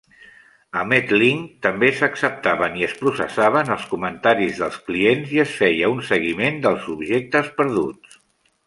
A Metlink també s'acceptaven i es processaven els comentaris dels clients i es feia un seguiment dels objectes perduts.